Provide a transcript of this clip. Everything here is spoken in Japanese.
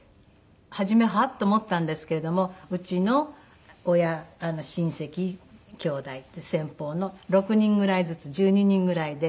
初めはあ？と思ったんですけれどもうちの親親戚きょうだい先方の６人ぐらいずつ１２人ぐらいで